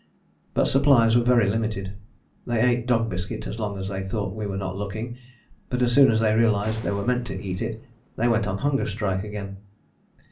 But supplies were very limited. They ate dog biscuit as long as they thought we were not looking but as soon as they realized they were meant to eat it they went on hunger strike again.